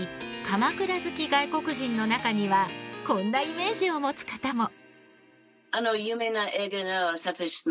鎌倉好き外国人の中にはこんなイメージを持つ方も。